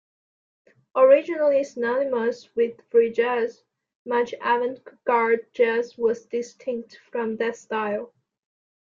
Originally synonymous with free jazz, much avant-garde jazz was distinct from that style.